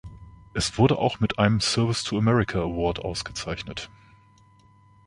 Es wurde auch mit einem Service to America Award ausgezeichnet.